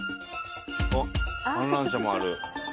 あっ観覧車もある。